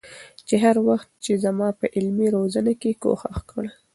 چې هر وخت يې زما په علمي روزنه کي کوښښ کړي